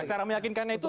cara meyakinkannya itu